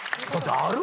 ある？